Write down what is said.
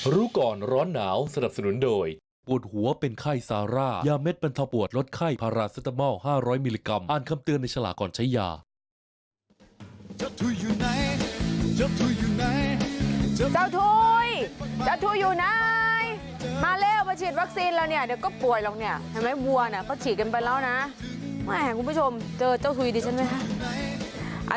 มีความรู้สึกว่าเจ้าทุยอยู่ไหนเจ้าทุยอยู่ไหนมาเร็วมาฉีดวัคซีนแล้วเนี่ยเดี๋ยวก็ป่วยแล้วเนี่ยเห็นไหมบัวนะเขาฉีดกันไปแล้วนะคุณผู้ชมเจอเจ้าทุยดีฉันไหมครับ